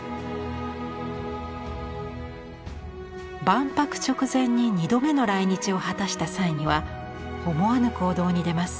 万博直前に２度目の来日を果たした際には思わぬ行動に出ます。